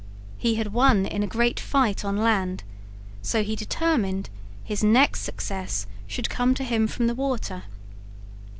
He had won in a great fight on land, so he determined his next success should come to him from the water.